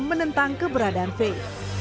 menentang keberadaan vape